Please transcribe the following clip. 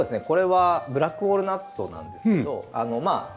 これはブラックウォールナットなんですけどまあ